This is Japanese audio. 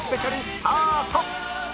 スタート！